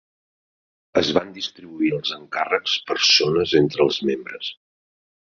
Es van distribuir els encàrrecs per zones entre els membres.